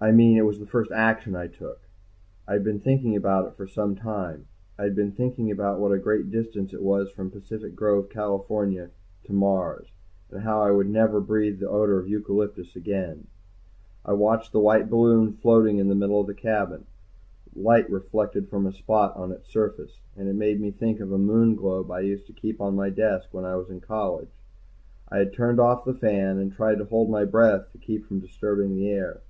I mean it was the first action I took. I had been thinking about it for some time. I had been thinking about what a great distance it was from Pacific Grove, California to Mars, and how I would never breathe the odor of eucalyptus again. I watched the white balloon floating in the middle of the cabin. Light reflected from a spot on its surface, and it made me think of a Moonglobe I used to keep on my desk when I was in college. I had turned off the fan, and tried to hold my breath to keep from disturbing the air.